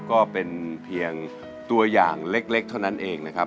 ก็เป็นเพียงตัวอย่างเล็กเท่านั้นเองนะครับ